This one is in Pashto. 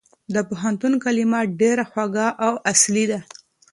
د پوهنتون کلمه ډېره خوږه او اصلي ده.